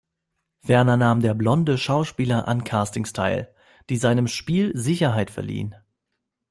Ferner nahm der blonde Schauspieler an Castings teil, die seinem Spiel Sicherheit verliehen.